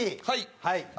はい。